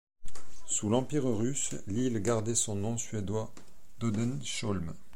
Sous l'Empire russe, l'île gardait son nom suédois d'Odensholm.